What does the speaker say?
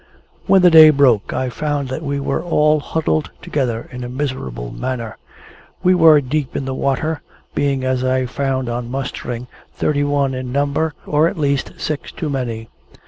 When the day broke, I found that we were all huddled together in a miserable manner. We were deep in the water; being, as I found on mustering, thirty one in number, or at least six too many.